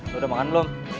lo udah makan belum